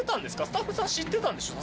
スタッフさん知ってたんでしょ？